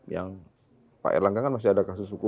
yang pak erlangga kan masih ada kasus hukum